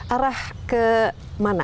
arah ke mana